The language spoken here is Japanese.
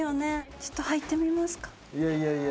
ちょっと入ってみますか。